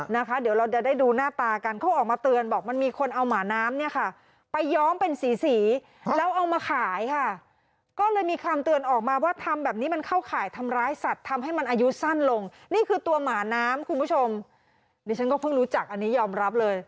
นะคะเดี๋ยวเราจะได้ดูหน้าตากันเขาออกมาเตือนบอกมันมีคนเอาหมาน้ำเนี่ยค่ะไปย้อมเป็นสีสีแล้วเอามาขายค่ะก็เลยมีคำเตือนออกมาว่าทำแบบนี้มันเข้าข่ายทำร้ายสัตว์ทำให้มันอายุสั้นลงนี่คือตัวหมาน้ำคุณผู้ชมดิฉันก็เพิ่งรู้จักอันนี้ยอมรับเลย